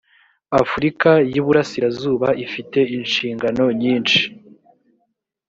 afurika y iburasirazuba ifite inshingano nyinshi